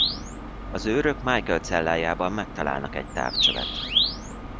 Az őrök Michael cellájában megtalálnak egy távcsövet.